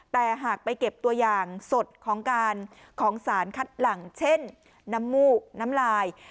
แต่หากไปเก็บตัวอย่างสดของการของสารคัดหลังเช่นน้ำมูกน้ำลาย